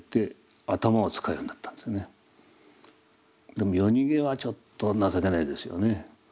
でも夜逃げはちょっと情けないですよね。